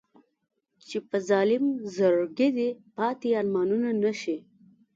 چې په ظالم زړګي دې پاتې ارمانونه نه شي.